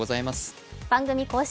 番組公式